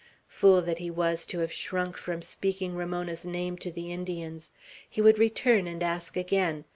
Fool that he was, to have shrunk from speaking Ramona's name to the Indians! He would return, and ask again.